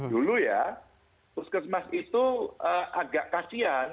dulu ya puskesmas itu agak kasihan